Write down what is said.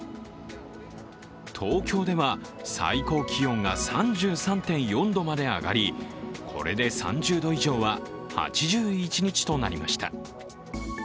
東京では、最高気温が３３．４度まで上がり、これで３０度以上は８１日となりました。